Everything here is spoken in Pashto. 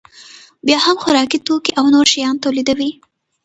بیا هم خوراکي توکي او نور شیان تولیدوي